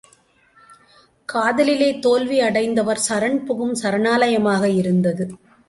காதலிலே தோல்வி அடைந்தவர் சரண் புகும் சரணாலயமாக இருந்தது.